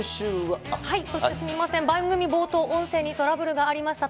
そしてすみません、番組冒頭、音声にトラブルがありました。